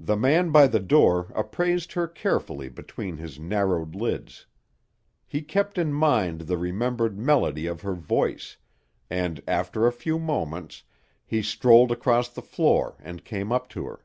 The man by the door appraised her carefully between his narrowed lids. He kept in mind the remembered melody of her voice, and, after a few moments, he strolled across the floor and came up to her.